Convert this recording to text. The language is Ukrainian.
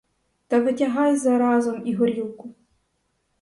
Та витягай заразом і горілку!